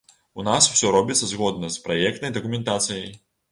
У нас усё робіцца згодна з праектнай дакументацыяй.